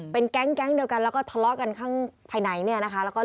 เป็นแก๊งเดียวกันแล้วก็ทะเลาะกันข้างภายใน